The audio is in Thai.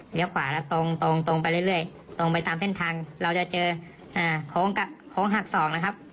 ขวาแล้วตรงตรงไปเรื่อยตรงไปตามเส้นทางเราจะเจอโค้งหักสองนะครับ